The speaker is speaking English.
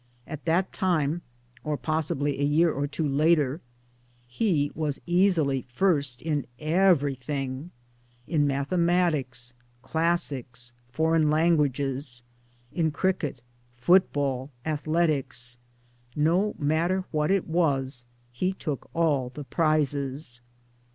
At that time (or possibly a year or two later) he was easily first in everything. In mathematics, classics, foreign languages, in cricket, football, athletics no matter what it was he took all the prizes.